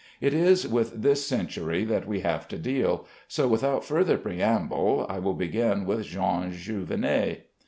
It is with this century that we have to deal; so, without further preamble, I will begin with Jean Jouvenet.